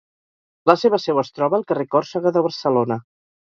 La seva seu es troba al carrer Còrsega de Barcelona.